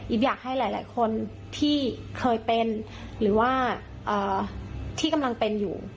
อยากให้หลายคนที่เคยเป็นหรือว่าที่กำลังเป็นอยู่